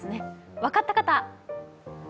分かった方？